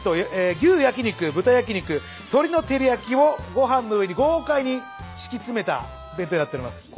牛焼き肉豚焼き肉鶏の照り焼きをご飯の上に豪快に敷き詰めた弁当になっております。